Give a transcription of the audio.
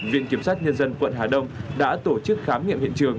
viện kiểm sát nhân dân quận hà đông đã tổ chức khám nghiệm hiện trường